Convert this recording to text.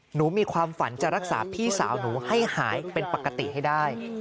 มีความฝันจะรักษาพี่สาวหนูให้หายเป็นปกติให้ได้